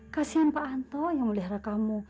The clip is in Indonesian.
kasihan pak anto yang melihara kamu